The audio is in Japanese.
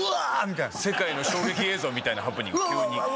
世界の衝撃映像みたいなハプニング急に。